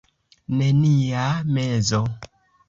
Nenia mezo.